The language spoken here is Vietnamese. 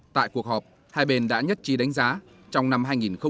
tại cuộc họp hai bên đã nhất trí đánh giá trong năm hai nghìn một mươi chín